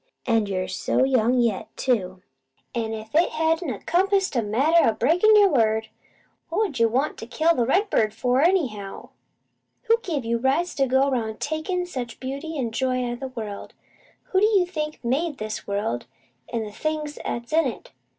An' you so young yet, too! "An' if it hadn't a compassed a matter o' breakin' your word, what 'ud you want to kill the redbird for, anyhow? Who give you rights to go 'round takin' such beauty an' joy out of the world? Who do you think made this world an' the things 'at's in it?